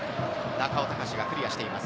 中尾誉がクリアしています。